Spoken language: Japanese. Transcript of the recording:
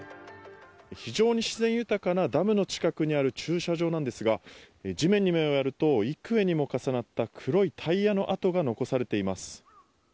非常に自然豊かなダムの近くにある駐車場なんですが地面に目をやると幾重にも重なった黒いタイヤの跡が残されています。